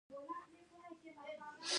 الفاظ باید ادبي او واضح وي.